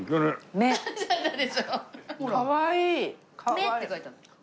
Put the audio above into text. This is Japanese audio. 「め」って書いてあるの。